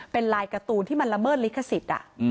เป็นลายการ์ตูนที่มันละเมิดลิขสิทธิ์